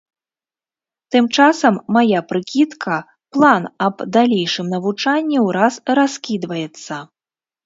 Тым часам мая прыкідка, план аб далейшым навучанні ўраз раскідваецца.